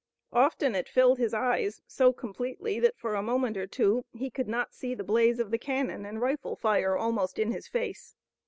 Often it filled his eyes so completely that for a moment or two he could not see the blaze of the cannon and rifle fire, almost in his face.